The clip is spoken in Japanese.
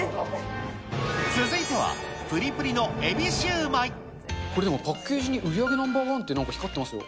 続いては、これ、でも、パッケージに売り上げナンバー１ってなんか光ってますよ。